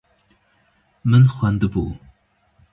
Min xwendibû.